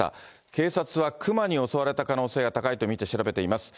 警察は熊に襲われた可能性が高いと見て調べています。